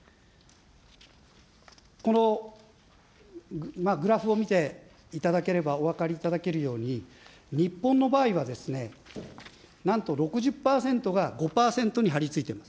このグラフを見ていただければお分かりいただけるように、日本の場合は、なんと６０％が５％に張りついてます。